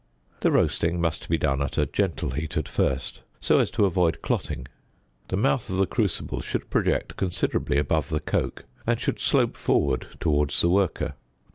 The roasting must be done at a gentle heat at first, so as to avoid clotting: the mouth of the crucible should project considerably above the coke, and should slope forward towards the worker.